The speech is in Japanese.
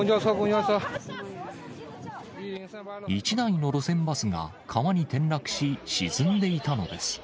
１台の路線バスが、川に転落し、沈んでいたのです。